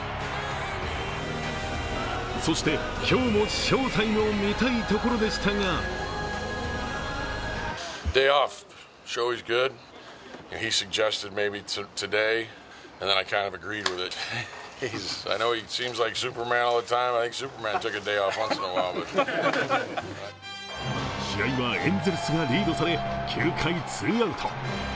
そして今日も翔タイムを見たいところでしたが試合はエンゼルスがリードされ、９回ツーアウト。